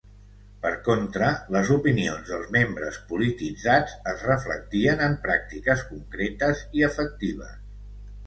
Per contra, les opinions dels membres polititzats es reflectien en pràctiques concretes i efectives.